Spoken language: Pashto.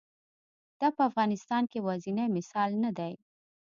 دا په افغانستان کې یوازینی مثال نه دی.